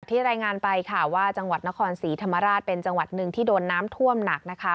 รายงานไปค่ะว่าจังหวัดนครศรีธรรมราชเป็นจังหวัดหนึ่งที่โดนน้ำท่วมหนักนะคะ